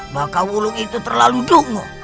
bakaulung itu terlalu dungu